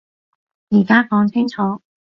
而家講清楚